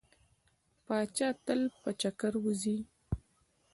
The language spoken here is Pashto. پاچا تل په چکر وځي.